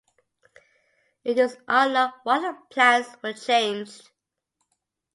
It is unknown why the plans were changed.